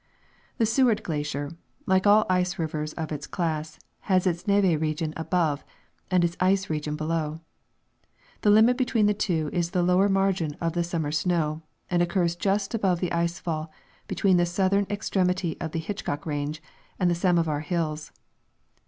The ScAvard glacier, like all ice rivers of its class, has its neve region above, and its ice region below. The limit between the two is the lower margin of the summer snow, and occurs just above the ice fall between the southern extremity of the Hitch cock range and the Samovar hills.